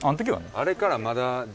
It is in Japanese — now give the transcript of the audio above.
あれからまだ。